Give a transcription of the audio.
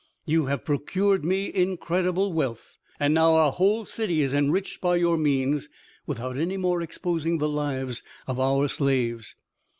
You have procured me incredible wealth; and now our whole city is enriched by your means, without any more exposing the lives of our slaves.